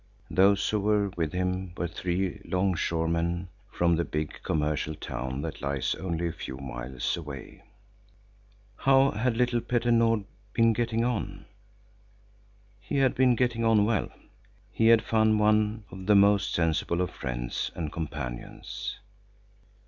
Those who were with him were three longshoremen from the big commercial town that lies only a few miles away. How had little Petter Nord been getting on? He had been getting on well. He had found one of the most sensible of friends and companions.